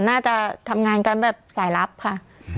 น่าจะทำงานกันแบบสายลับค่ะ